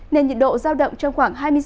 nền nhiệt độ giao động trong khoảng